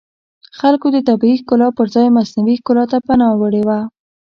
خلکو د طبیعي ښکلا پرځای مصنوعي ښکلا ته پناه وړې وه